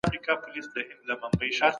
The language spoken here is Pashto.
د ټولنيزو علومو ستونزې درک کړئ.